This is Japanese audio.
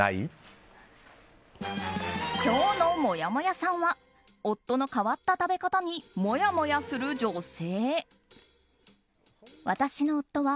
今日のもやもやさんは夫の変わった食べ方にもやもやする女性。